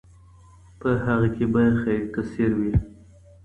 په هغه کي به خير کثير وي.